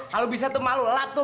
kalau bisa tuh malu lelak tuh